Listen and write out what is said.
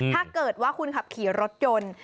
ถ้าเกิดว่าคุณขับขี่รถยนต์